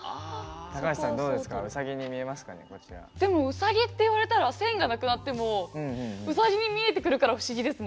うさぎって言われたら線がなくなってもうさぎに見えてくるから不思議ですね。